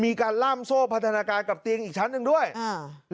มีการล่ามโซ่พัฒนาการกับเตียงอีกชั้นหนึ่งด้วยอ่า